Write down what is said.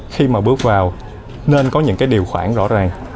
khi mà bước vào nên có những cái điều khoản rõ ràng